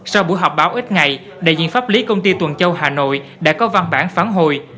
sau buổi họp báo ít ngày đại diện pháp lý công ty tuần châu hà nội đã có văn bản phản hồi